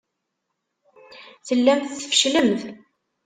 Tellamt tfecclemt.